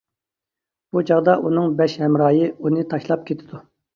بۇ چاغدا ئۇنىڭ بەش ھەمراھى ئۇنى تاشلاپ كېتىدۇ.